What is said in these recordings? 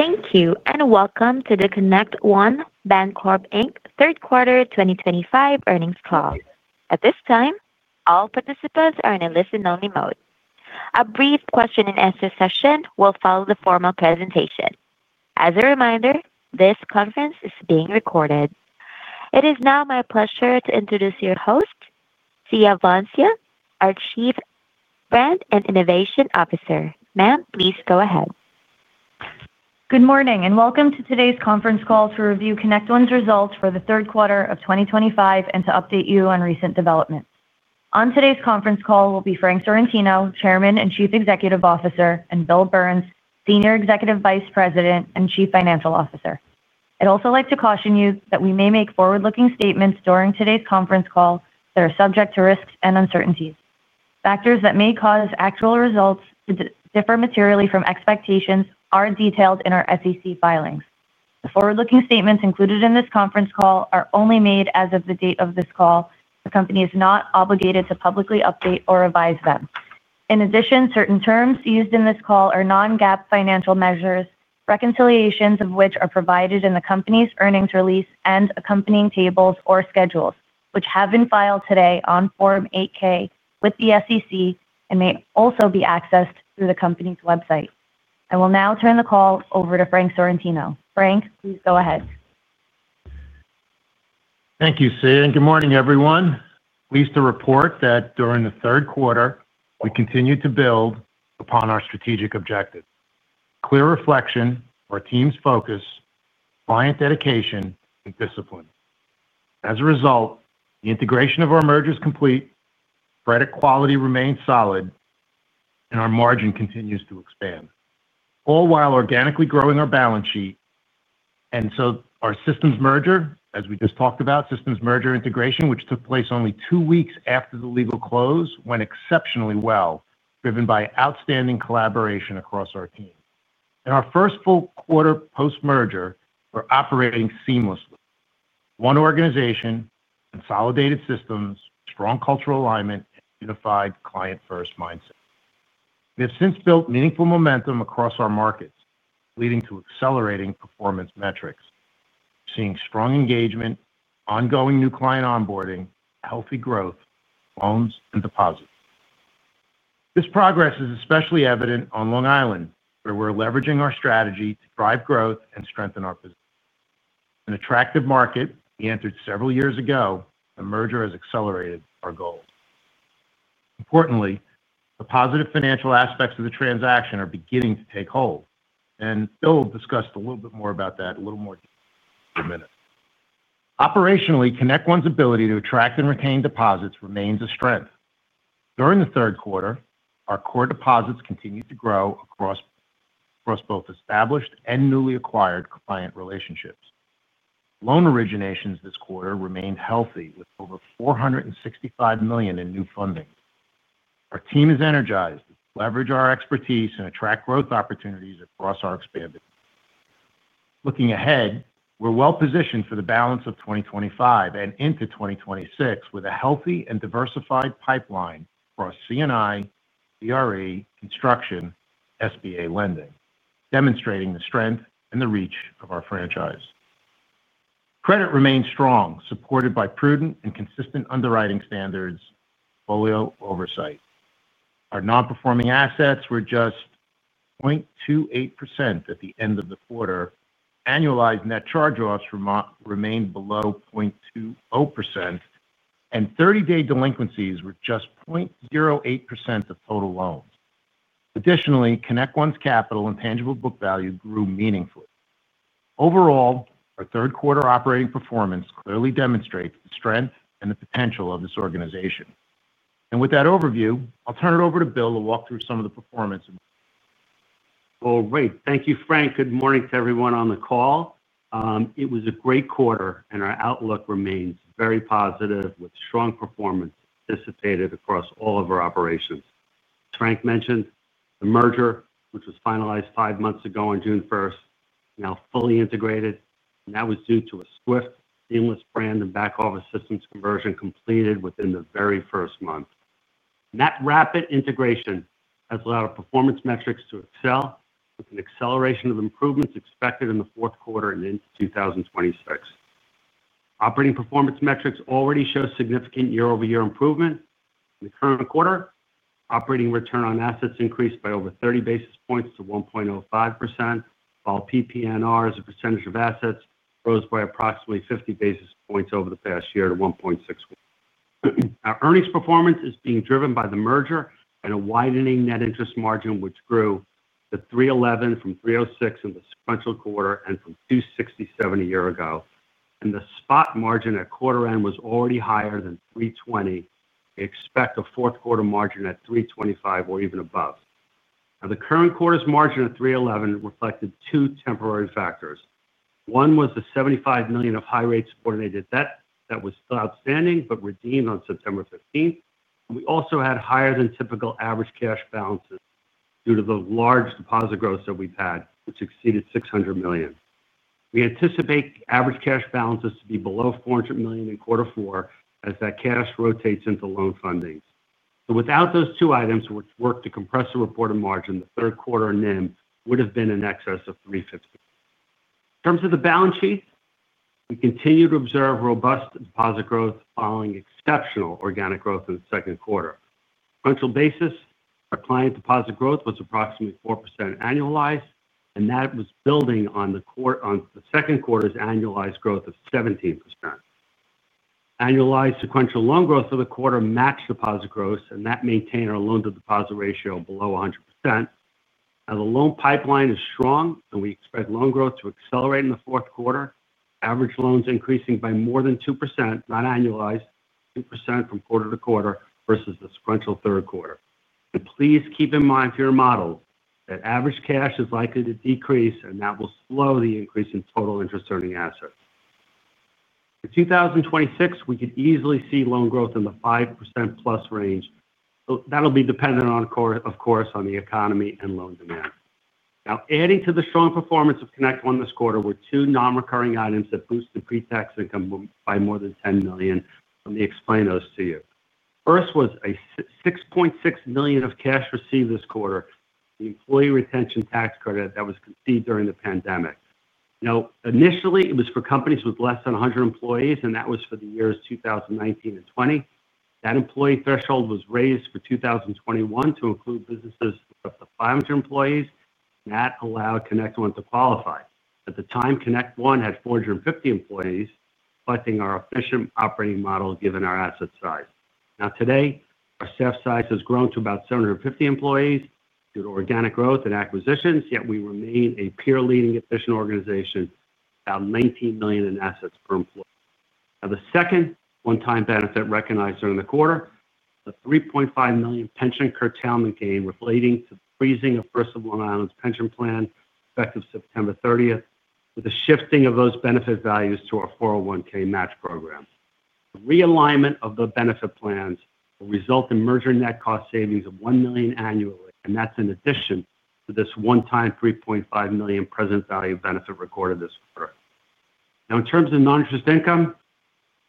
Thank you and welcome to the ConnectOne Bancorp, Inc. third quarter 2025 earnings call. At this time, all participants are in a listen-only mode. A brief question-and-answer session will follow the formal presentation. As a reminder, this conference is being recorded. It is now my pleasure to introduce your host, Siya Vansia, our Chief Brand and Innovation Officer. Ma'am, please go ahead. Good morning and welcome to today's conference call to review ConnectOne's results for the third quarter of 2025 and to update you on recent developments. On today's conference call will be Frank Sorrentino, Chairman and Chief Executive Officer, and Bill Burns, Senior Executive Vice President and Chief Financial Officer. I'd also like to caution you that we may make forward-looking statements during today's conference call that are subject to risks and uncertainties. Factors that may cause actual results to differ materially from expectations are detailed in our SEC filings. The forward-looking statements included in this conference call are only made as of the date of this call. The company is not obligated to publicly update or revise them. In addition, certain terms used in this call are non-GAAP financial measures, reconciliations of which are provided in the company's earnings release and accompanying tables or schedules which have been filed today on Form 8-K with the SEC and may also be accessed through the company's website. I will now turn the call over to Frank Sorrentino. Frank, please go ahead. Thank you, Siya. Good morning everyone. Pleased to report that during the third quarter we continued to build upon our strategic objectives. Clear reflection, our team's focus, client dedication, and discipline. As a result, the integration of our merger is complete. Credit quality remains solid and our margin continues to expand, all while organically growing our balance sheet. Our systems merger, as we just talked about, systems merger integration, which took place only two weeks after the legal close, went exceptionally well. Driven by outstanding collaboration across our team, in our first full quarter post-merger, we're operating seamlessly. One organization, consolidated systems, strong cultural alignment, unified client-first mindset. We have since built meaningful momentum across our markets leading to accelerating performance metrics, seeing strong engagement, ongoing new client onboarding, healthy growth in loans and deposits. This progress is especially evident on Long Island where we're leveraging our strategy to drive growth and strengthen our position. An attractive market we entered several years ago, the merger has accelerated our goal. Importantly, the positive financial aspects of the transaction are beginning to take hold and Bill will discuss a little bit more about that. Operationally, ConnectOne's ability to attract and retain deposits remains a strength. During the third quarter, our core deposits continued to grow across both established and newly acquired client relationships. Loan originations this quarter remained healthy with over $465 million in new funding. Our team is energized to leverage our expertise and attract growth opportunities across our expanded markets. Looking ahead, we're well positioned for the balance of 2025 and into 2026 with a healthy and diversified pipeline across C&I, CRE, construction, and SBA lending, demonstrating the strength and the reach of our franchise. Credit remains strong, supported by prudent and consistent underwriting standards and portfolio oversight. Our non-performing assets were just 0.28% at the end of the quarter, annualized net charge-offs remained below 0.25%, and 30-day delinquencies were just 0.08% of total loans. Additionally, ConnectOne's capital and tangible book value grew meaningfully. Overall, our third quarter operating performance clearly demonstrates the strength and the potential of this organization and with that overview, I'll turn it over to Bill to walk through some of the performance. All right, thank you, Frank. Good morning to everyone on the call. It was a great quarter and our outlook remains very positive with strong performance anticipated across all of our operations. As Frank mentioned, the merger, which was finalized five months ago on June 1st, is now fully integrated and that was due to a swift, seamless brand and back office systems conversion completed within the very first month. That rapid integration has allowed performance metrics to excel, with an acceleration of improvements expected in the fourth quarter and into 2026. Operating performance metrics already show significant year-over-year improvement in the current quarter. Operating return on assets increased by over 30 basis points to 1.05%, while PPNR as a percentage of assets rose by approximately 50 basis points over the past year to 1.6%. Our earnings performance is being driven by the merger and a widening net interest margin, which grew to 3.11% from 3.06% in the sequential quarter and from 2.67% a year ago, and the spot margin at quarter end was already higher than 3.20%. We expect a fourth quarter margin at 3.25% or even above. The current quarter's margin at 3.11% reflected two temporary factors. One was the $75 million of high-rate subordinated debt that was outstanding but redeemed on September 15th. We also had higher than typical average cash balances due to the large deposit growth that we've had, which exceeded $600 million. We anticipate average cash balances to be below $400 million in quarter four as that cash rotates into loan fundings. Without those two items, which worked to compress the reported margin, the third quarter NIM would have been in excess of 3.50%. In terms of the balance sheet, we continue to observe robust deposit growth following exceptional organic growth in the second quarter. On a sequential basis, our client deposit growth was approximately 4% annualized, and that was building on the second quarter's annualized growth of 17%. Annualized sequential loan growth for the quarter matched deposit growth, and that maintained our loan to deposit ratio below 100%. The loan pipeline is strong and we expect loan growth to accelerate in the fourth quarter, with average loans increasing by more than 2%, not annualized, 2% from quarter to quarter versus the sequential third quarter. Please keep in mind for your model that average cash is likely to decrease and that will slow the increase in total interest-earning assets. In 2026 we could easily see loan growth in the 5%+ range. That'll be dependent of course on the economy and loan demand. Now, adding to the strong performance of ConnectOne this quarter were two non-recurring items that boosted pre-tax income by more than $10 million. Let me explain those to you. First was $6.6 million of cash received this quarter, the employee retention tax credit that was conceived during the pandemic. Now, initially it was for companies with less than 100 employees and that was for the years 2019 and 2020. That employee threshold was raised for 2021 to include businesses up to 500 employees. That allowed ConnectOne to qualify. At the time, ConnectOne had 450 employees collecting our efficient operating model, given our asset size. Now today our staff size has grown to about 750 employees due to organic growth and acquisitions, yet we remain a peer-leading efficient organization, about $19 million in assets per employee. Now, the second one-time benefit recognized during the quarter, the $3.5 million pension curtailment gain relating to freezing of First of Long Island Bank's pension plan effective September 30th with the shifting of those benefit values to our 401(k) match program. Realignment of the benefit plans will result in merger net cost savings of $1 million annually, and that's in addition to this one-time $3.5 million present value benefit recorded this quarter. Now, in terms of noninterest income,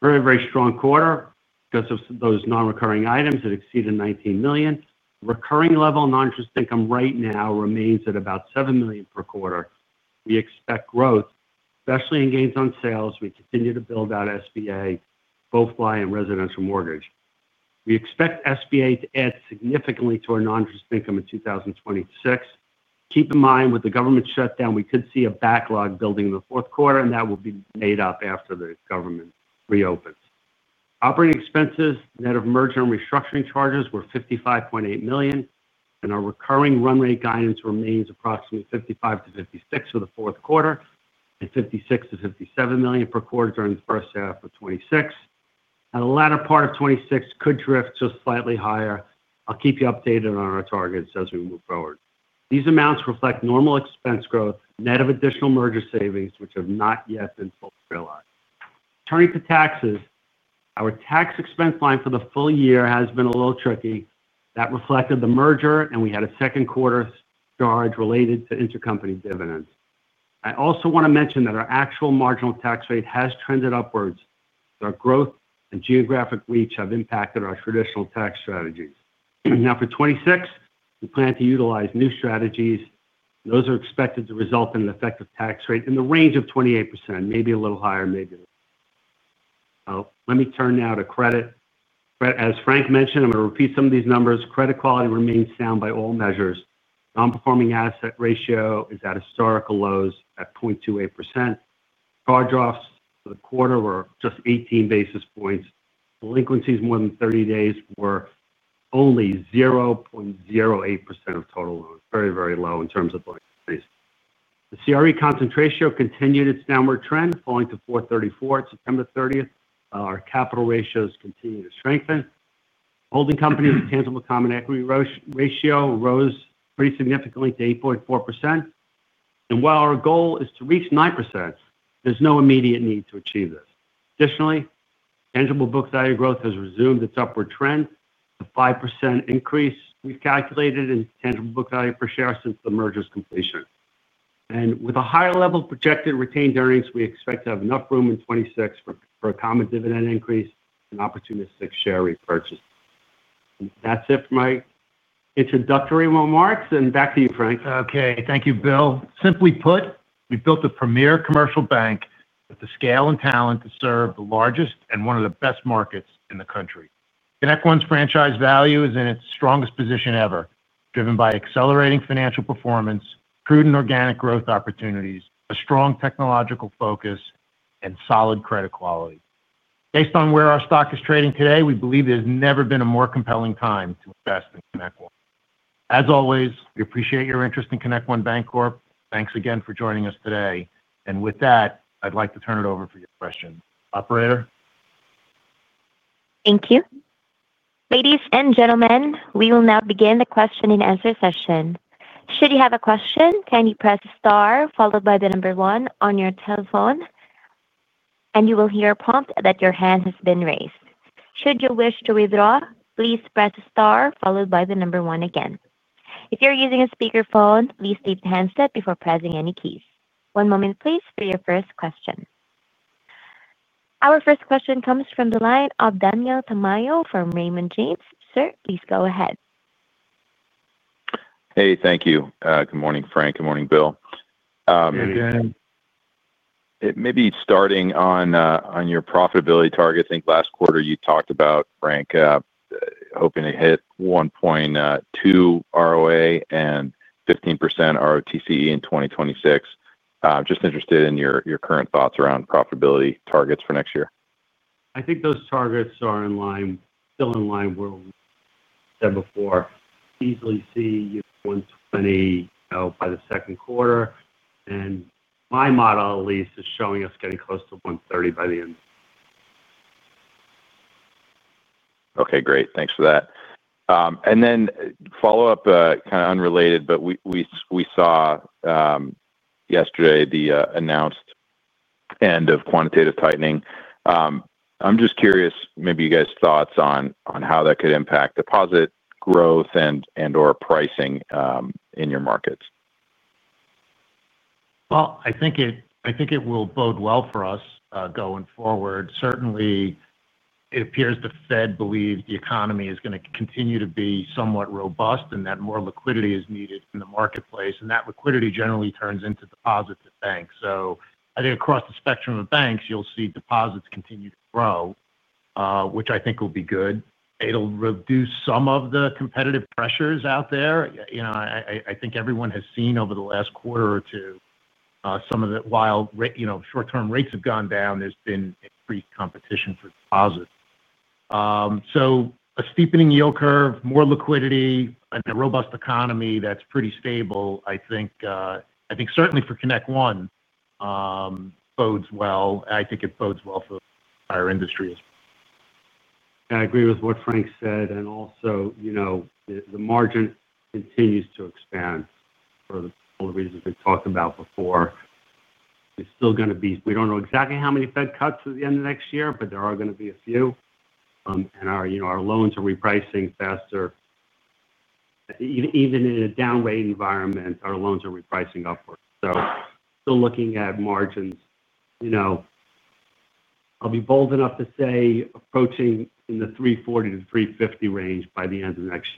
very, very strong quarter because of those non-recurring items that exceeded $19 million recurring level. Noninterest income right now remains at about $7 million per quarter. We expect growth, especially in gains on sales. We continue to build out SBA both LI and residential mortgage. We expect SBA to add significantly to our noninterest income in 2026. Keep in mind, with the government shutdown, we could see a backlog building in the fourth quarter. That will be after the government reopens. Operating expenses net of merger and restructuring charges were $55.8 million, and our recurring run rate guidance remains approximately $55 million-$56 million for the fourth quarter and $56 million-$57 million per quarter during the first half of 2026. The latter part of 2026 could drift just slightly higher. I'll keep you updated on our targets as we move forward. These amounts reflect normal expense growth net of additional merger savings which have not yet been fully realized. Turning to taxes, our tax expense line for the full year has been a little tricky. That reflected the merger and we had a second quarter charge related to intercompany dividends. I also want to mention that our actual marginal tax rate has trended upwards. Our growth and geographic reach have impacted our traditional tax strategies. Now for 2026, we plan to utilize new strategies. Those are expected to result in an effective tax rate in the range of 28%. Maybe a little higher, maybe. Let me turn now to credit. As Frank mentioned, I'm going to repeat some of these numbers. Credit quality remains sound by all measures. Non-performing asset ratio is at historical lows at 0.28%. Bar drops for the quarter were just 18 basis points. Delinquencies more than 30 days were only 0.08% of total loans. Very, very low. In terms of the CRE concentration, it continued its downward trend, falling to 434 at September 30th. Our capital ratios continue to strengthen. Holding company tangible common equity ratio rose pretty significantly to 8.4%. While our goal is to reach 9%, there's no immediate need to achieve this. Additionally, tangible book value growth has resumed its upward trend. The 5% increase we've calculated in tangible book value per share since the merger's completion and with a higher level of projected retained earnings, we expect to have enough room in 2026 for a common dividend increase and opportunistic share repurchase. That's it for my introductory remarks. Back to you, Frank. Okay, thank you, Bill. Simply put, we built a premier commercial bank with the scale and talent to serve the largest and one of the best markets in the country. ConnectOne's franchise value is in its strongest position ever, driven by accelerating financial performance, prudent organic growth opportunities, a strong technological focus, and solid credit quality. Based on where our stock is trading today, we believe there's never been a more compelling time to invest in ConnectOne. As always, we appreciate your interest in ConnectOne Bancorp. Thanks again for joining us today. With that, I'd like to turn. It is over for your question, operator. Thank you, ladies and gentlemen. We will now begin the question-and-answer session. Should you have a question, please press star followed by the number one on your telephone. You will hear a prompt that your hand has been raised. Should you wish to withdraw, please press star followed by the number one. If you're using a speakerphone, please lift the handset before pressing any keys. One moment, please, for your first question. Our first question comes from the line of Daniel Tamayo from Raymond James. Sir, please go ahead. Hey, thank you. Good morning, Frank. Good morning, Bill. Maybe starting on your profitability target. I think last quarter you talked about Frank hoping to hit 1.2% ROA and 15% ROTCE in 2026. Just interested in your current thoughts around profitability targets for next year. I think those targets are in line, still in line where said before. Easily see $120 by the second quarter, and my model at least is showing us getting close to $130 by the end. Okay, great, thanks for that. Then follow up, kind of unrelated, but we saw yesterday the announced end of quantitative tightening. I'm just curious, maybe you guys' thoughts on how that could impact deposit growth and/or pricing in your markets. I think it will bode well for us going forward. Certainly, it appears the Fed believes the economy is going to continue to be somewhat robust and that more liquidity is needed in the marketplace, and that liquidity generally turns into deposits at banks. I think across the spectrum of banks you'll see deposits continue to grow, which I think will be good. It'll reduce some of the competitive pressures out there. I think everyone has seen over the last quarter or two, while short-term rates have gone down, there's been competition for deposits. A steepening yield curve, more liquidity, and a robust economy that's pretty stable, I think certainly for ConnectOne bodes well. I think it bodes well for our industry. I agree with what Frank said. Also, the margin continues to expand for all the reasons we talked about before. It's still going to be we don't know exactly how many Fed cuts at the end of next year, but there are going to be a few. Our loans are repricing faster. Even in a down rate environment, our loans are repricing upward. Still looking at margins, I'll be bold enough to say approaching in the 340-350 range by the end of next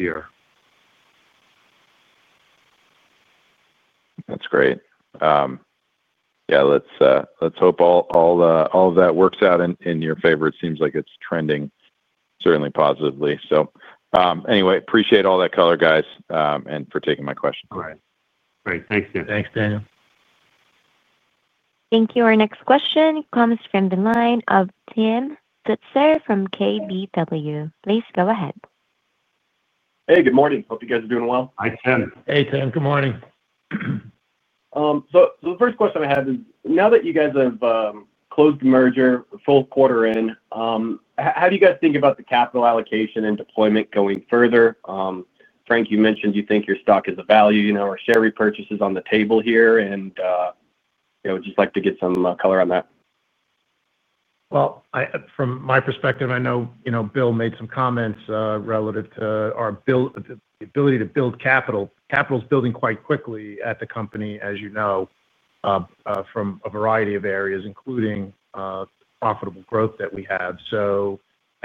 year. That's great. Let's hope all that works out in your favor. It seems like it's trending, certainly positively. Anyway, appreciate all that color, guys, and for taking my question. Great, thanks. Thanks, Daniel. Thank you. Our next question comes from the line of Tim Switzer from KBW. Please go ahead. Hey, good morning. Hope you guys are doing well. Hi, Tim. Hey, Tim. Good morning. The first question I have is now that you guys have closed the merger full quarter in, how do you guys think about the capital allocation and deployment going further? Frank, you mentioned you think your stock is a value. You know, are share repurchases on the table here and would you like to get some color on that? From my perspective, I know Bill made some comments relative to our ability to build capital. Capital is building quite quickly at the company, as you know, from a variety of areas including profitable growth that we have.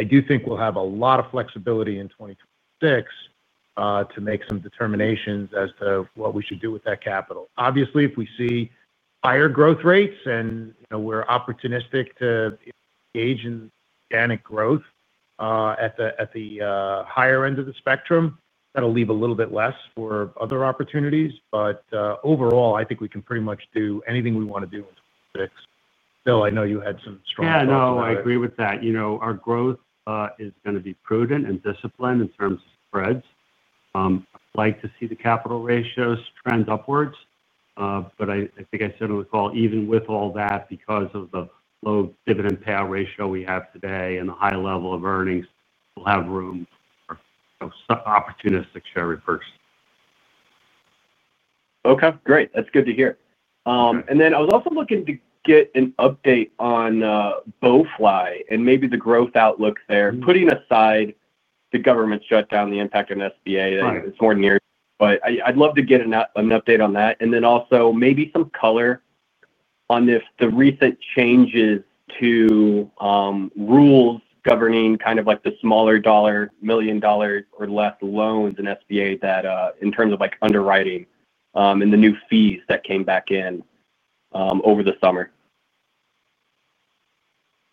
I do think we'll have a lot of flexibility in 2026 to make some determinations as to what we should do with that capital. Obviously, if we see higher growth rates and we're opportunistic to engage in organic growth at the higher end of the spectrum, that'll leave a little bit less for other opportunities. Overall, I think we can pretty much do anything we want to do. Bill, I know you had some strong. Yeah, no, I agree with that. You know, our growth is going to be prudent and disciplined in terms of spreads, like to see the capital ratios trend upwards. I think I said on the call, even with all that, because of the low dividend payout ratio we have today and the high level of earnings, we'll have room for opportunistic share repurchases. Okay, great, that's good to hear. I was also looking to get an update on BoeFly and maybe the growth outlook there. Putting aside the government shutdown, the impact of SBA, it's more near. I'd love to get an update on that and maybe some color on if the recent changes to rules governing kind of like the smaller $1 million or less loans in SBA, in terms of underwriting and the new fees that came back in over the summer.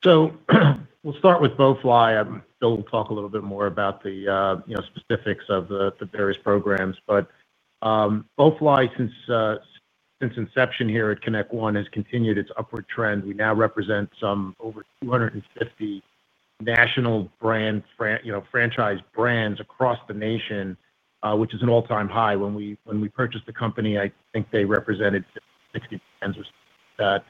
We'll start with BoeFly. Bill will talk a little bit more about the specifics of the various programs. BoeFly, since inception here at ConnectOne, has continued its upward trend. We now represent some over 250 national brand franchise brands across the nation, which is an all-time high. When we purchased the company, I think they represented 60 or something like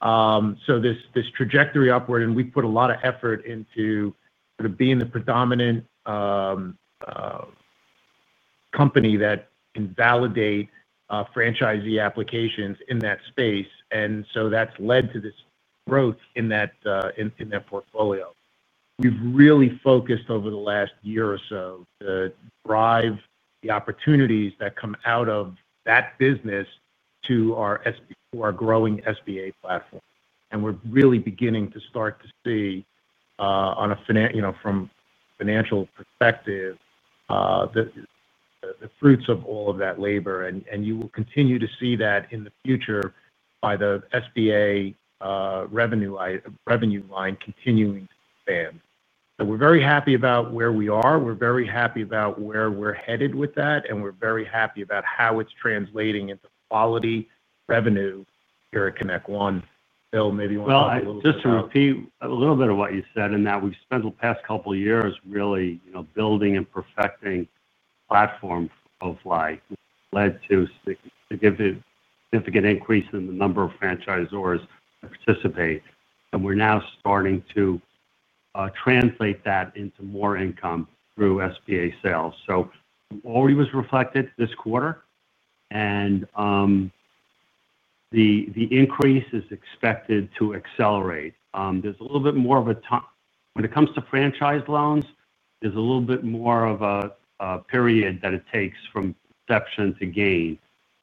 that. This trajectory upward, and we put a lot of effort into being the predominant company that invalidates franchisee applications in that space. That's led to this growth in that portfolio. We've really focused over the last year or so to drive the opportunities that come out of that business to our growing SBA platform. We're really beginning to start to see, from a financial perspective, the fruits of all of that labor. You will continue to see that in the future by the SBA revenue line continuing to expand. We're very happy about where we are, we're very happy about where we're headed with that, and we're very happy about how it's translating into quality revenue here at ConnectOne. Bill, maybe you want to add a little bit on that. Just to repeat a little bit of what you said in that we've spent the past couple years really building and perfecting the platform, which led to a significant increase in the number of franchisors participating, and we're now starting to translate that into more income through SBA sales. That already was reflected this quarter, and the increase is expected to accelerate. There's a little bit more of a time when it comes to franchise loans. There's a little bit more of a period that it takes from perception to gain.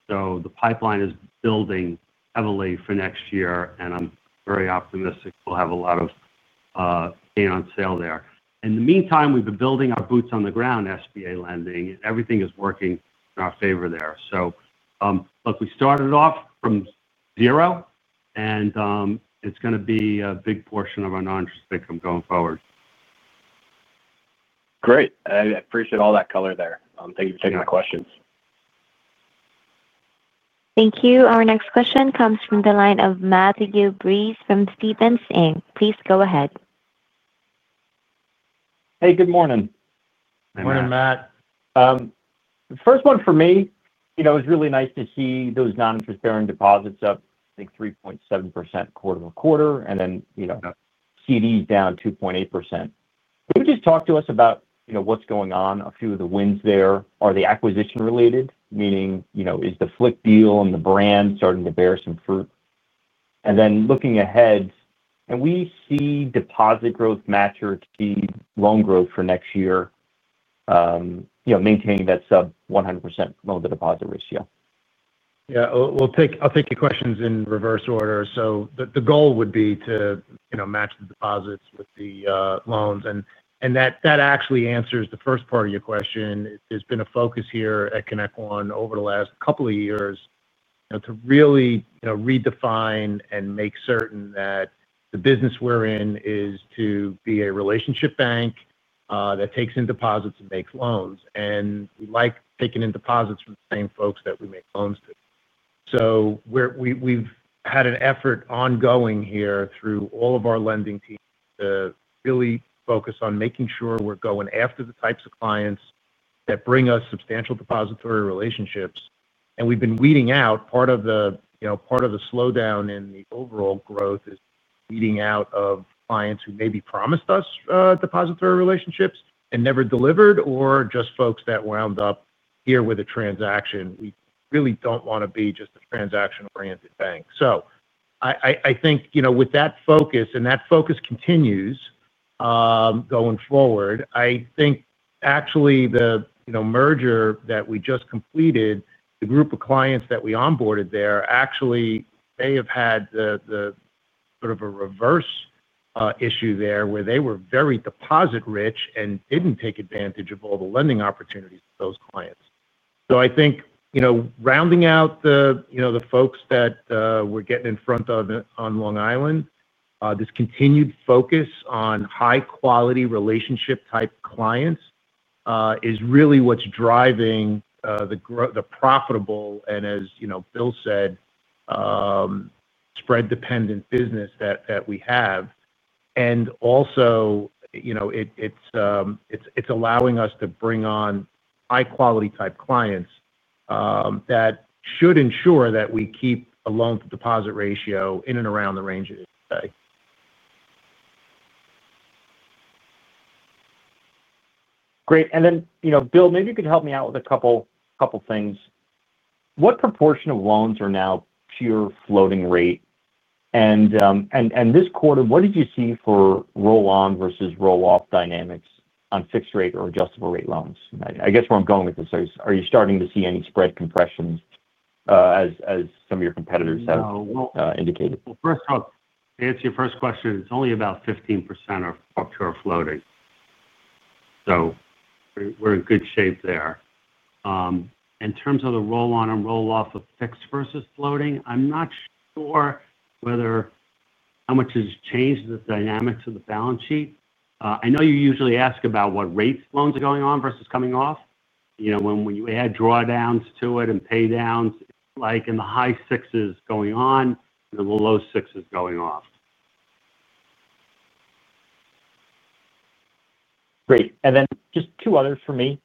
The pipeline is building heavily for next year, and I'm very optimistic we'll have a lot of pain on sale there. In the meantime, we've been building our boots on the ground. SBA lending, everything is working in our favor there. We started off from zero, and it's going to be a big portion of our noninterest income going forward. Great, I appreciate all that color there. Thank you for taking the questions. Thank you. Our next question comes from the line of Matt Breese from Stephens Inc. Please go ahead. Hey, good morning. Morning Matt. The first one for me. You know, it's really nice to see those noninterest bearing deposits up 3.7% quarter-to-quarter, and then, you know, CDs down 2.8%. Just talk to us about what's going on. A few of the wins there are the acquisition related, meaning is the FLIB deal and the brand starting to bear some fruit. Looking ahead, can we see deposit growth match or key loan growth for next year, maintaining that sub 100% loan to deposit ratio? Yeah, I'll take your questions in reverse order. The goal would be to, you know, match the deposits with the loans and that actually answers the first part of your question. There's been a focus here at ConnectOne over the last couple of years to really redefine and make certain that the business we're in is to be a relationship bank that takes in deposits and makes loans, and we like taking in deposits from the same folks that we make loans to. We've had an effort ongoing here through all of our lending team to really focus on making sure we're going after the types of clients that bring us substantial depository relationships. Part of the slowdown in the overall growth is weeding out clients who maybe promised us depository relationships and never delivered or just folks that wound up here with a transaction. We really don't want to be just a transaction-oriented bank. I think, you know, with that focus, and that focus continues going forward, I think actually the merger that we just completed, the group of clients that we onboarded there actually may have had sort of a reverse issue where they were very deposit rich and didn't take advantage of all the lending opportunities, those clients. I think, you know, rounding out the folks that we're getting in front of on Long Island, this continued focus on high quality relationship type clients is really what's driving the growth, the profitable and, as you know, Bill said, spread dependent business that we have. It's allowing us to bring on high quality type clients that should ensure that we keep a loan to deposit ratio in and around the range. Great. Bill, maybe you could help me out with a couple things. What proportion of loans are now pure floating rate? This quarter, what did you see for roll on versus roll off dynamics on fixed rate or adjustable rate loans? I guess where I'm going with this, are you starting to see any spread compressions as some of your competitors have indicated? First of all, to answer your first question, it's only about 15% are pure floating, so we're in good shape there. In terms of the roll on and roll off of fixed versus floating, I'm not sure how much has changed the dynamics of the balance sheet. I know you usually ask about what rates loans are going on versus coming off. When you add drawdowns to it and pay downs, like in the high sixes going on, in the low sixes going off. Great. Just two others for me.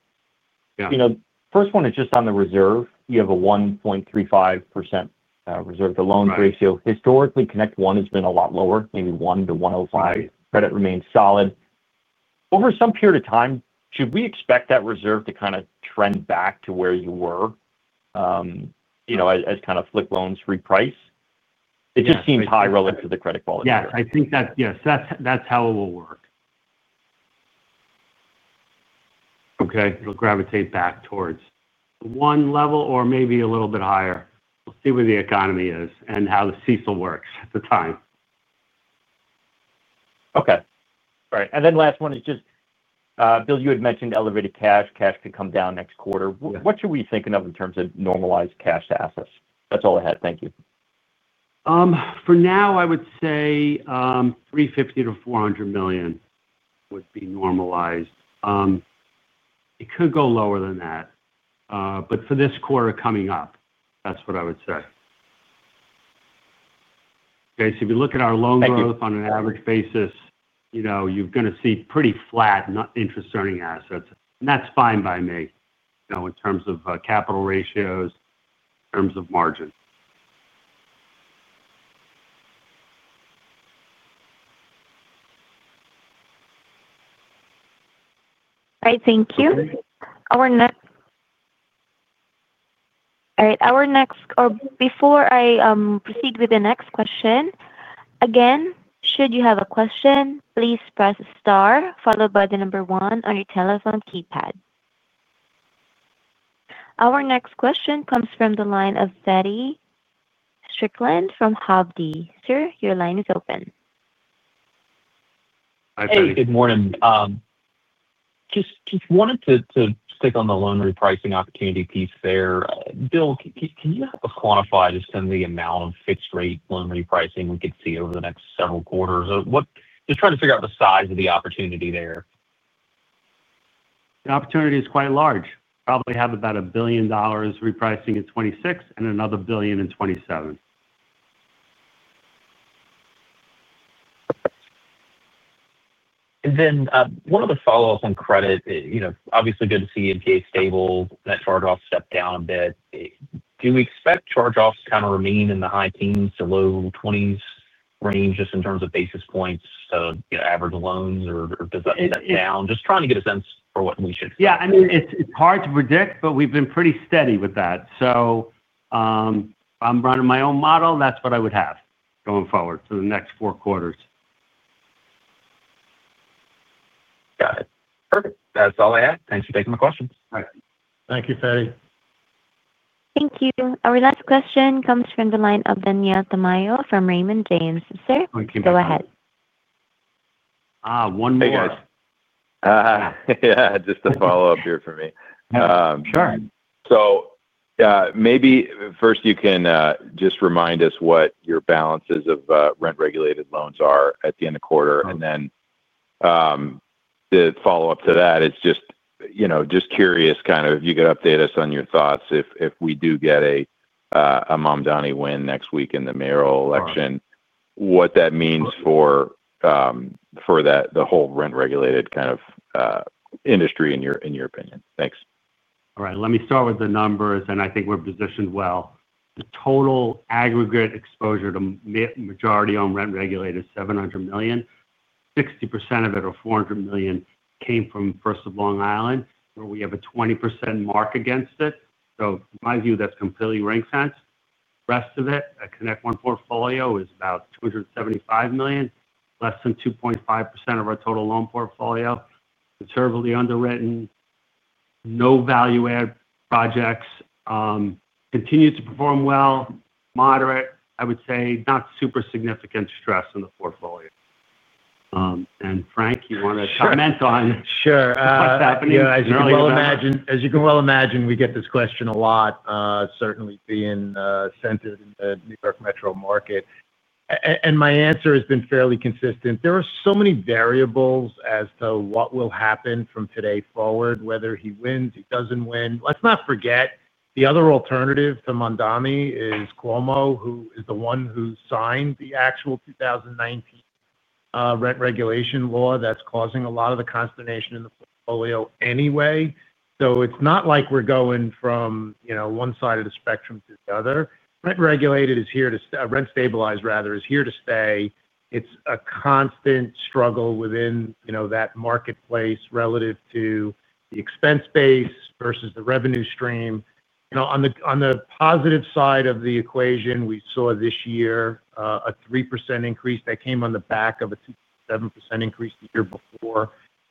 First one is just on the reserve. You have a 1.35% reserve to loan ratio. Historically, ConnectOne has been a. Lot lower, maybe 1-1.05. Credit remains solid. Over some period of time, should we expect that reserve to kind of trend back to where you were? You know, as kind of flip loans reprice? It just seems high relative to the credit quality. Yeah, I think that yes, that's how it will work. Okay. It'll gravitate back towards one level or maybe a little bit higher. We'll see where the economy is and how the CECL works at the time. All right. The last one is just. Bill, you had mentioned elevated cash. Cash could come down next quarter. What should we think of in terms of normalized cash to assets? That's all I had. Thank you. For now, I would say $350 million-$400 million would be normalized. It could go lower than that. For this quarter coming up, that's what I would say. If you look at our loan growth on an average basis, you know, you're going to see pretty flat interest earning assets and that's fine by me. In terms of capital ratios, in terms of margin. All right, thank you. Before I proceed with the next question, again, should you have a question, please press star followed by the number one on your telephone keypad. Our next question comes from the line of Feddie Strickland from Hovde. Sir, your line is open. Good morning. Just wanted to stick on the loan repricing opportunity piece there, Bill. Can you help us quantify just some of the amount of fixed rate loan repricing we could see over the next several quarters? Just trying to figure out the size of the opportunity there. The opportunity is quite large. Probably have about $1 billion repricing in 2026 and another $1 billion in 2027. One other follow up on credit. You know, obviously good to see non-performing assets stable, net charge-offs step down a bit. Do we expect charge-offs kind of remain in the high teens to low 20s range just in terms of basis points, average loans, or does that step down? Just trying to get a sense for what we should consider. Yeah, I mean it's hard to predict, but we've been pretty steady with it. I'm running my own model. That's what I would have going forward to the next four quarters. Got it. Perfect. That's all I had. Thanks for taking the questions. Thank you, Feddie. Thank you. Our last question comes from the line of Daniel Tamayo from Raymond James. Sir, go ahead. One more. Yeah, just a follow-up here for me. Sure. Maybe first, you can just remind us what your balances of rent regulated loans are at the end of the quarter, and then the follow-up to that, just curious if you could update us on your thoughts if we do get a Mamdani win next week in the mayoral election, what that means for the whole rent regulated kind of industry, in your opinion. Thanks. All right, let me start with the numbers, and I think we're positioned well. The total aggregate exposure to majority owned rent regulated, $700 million, 60% of it or $400 million came from First of Long Island where we have a 20% mark against it. In my view, that's completely ring sense. The rest of the ConnectOne portfolio is about $275 million, less than 2.5% of our total loan portfolio. Terribly underwritten, no value add projects, continue to perform well, moderate, I would say not super significant stress in the portfolio. Frank, you want to comment on what's happening? Sure. As you can well imagine, we get this question a lot, certainly being centered in the New York metro market. My answer has been fairly consistent. There are so many variables as to what will happen from today forward. Whether he wins, he doesn't win. Let's not forget the other alternative to Mamdani is Cuomo, who is the one who signed the actual 2019 rent regulation law. That's causing a lot of the consternation in the portfolio anyway. It's not like we're going from one side of the spectrum to the other. Rent regulated, or rather rent stabilized, is here to stay. It's a constant struggle within that marketplace relative to the expense base versus the revenue stream. On the positive side of the equation, we saw this year a 3% increase that came on the back of a 7% increase the year before.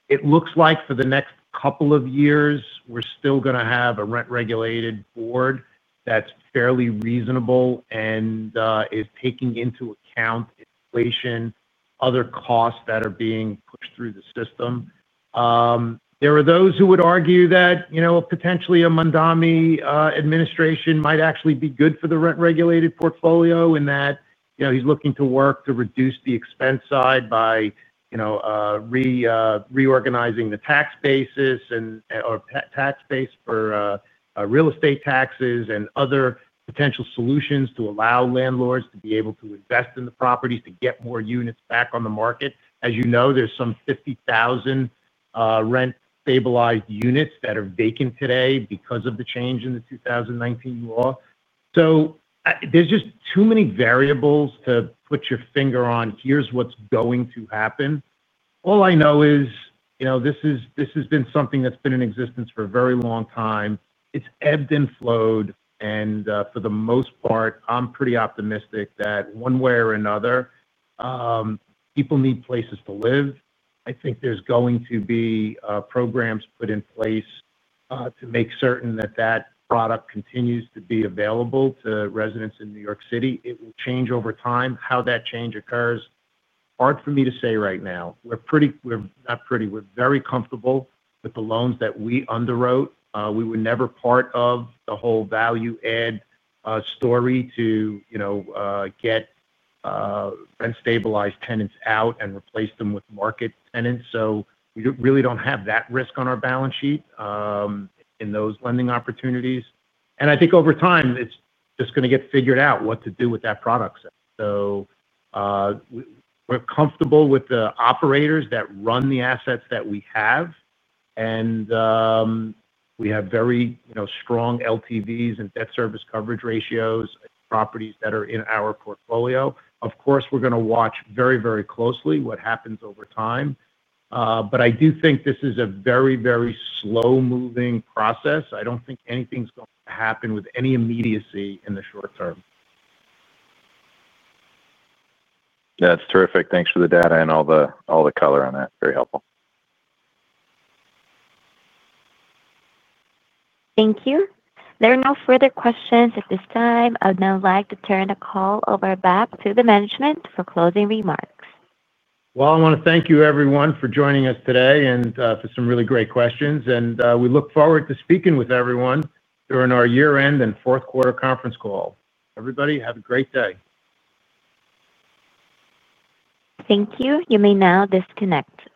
It looks like for the next couple of years we're still going to have a rent regulated board that's fairly reasonable and is taking into account inflation and other costs that are being pushed through the system. There are those who would argue that potentially a Mamdani administration might actually be good for the rent regulated portfolio in that he's looking to work to reduce the expense side by reorganizing the tax base for real estate taxes and other potential solutions to allow landlords to be able to invest in the properties to get more units back on the market. As you know, there's some 50,000 rent stabilized units that are vacant today because of the change in the 2019 law. There are just too many variables to put your finger on. Here's what's going to happen. All I know is this has been something that's been in existence for a very long time. It's ebbed and flowed and for the most part I'm pretty optimistic that one way or another people need places to live. I think there's going to be programs put in place to make certain that that product continues to be available to residents in New York City. It will change over time. How that change occurs, hard for me to say right now. We're pretty, we're not pretty, we're very comfortable with the loans that we underwrote. We were never part of the whole value add story to get rent stabilized tenants out and replace them with market tenants. We really don't have that risk on our balance sheet in those lending opportunities. I think over time it's just going to get figured out what to do with that product. We're comfortable with the operators that run the assets that we have, and we have very strong LTVs and debt service coverage ratios, properties that are in our portfolio. Of course, we're going to watch very, very closely what happens over time. I do think this is a very, very slow moving process. I don't think anything's going to happen with any immediacy in the short term. That's terrific. Thanks for the data and all the color on that. Very helpful. Thank you. There are no further questions at this time. I'd now like to turn the call back to the management for closing remarks. Thank you everyone for joining us today and for some really great questions. We look forward to speaking with everyone during our year end and fourth quarter conference call. Everybody have a great day. Thank you. You may now disconnect.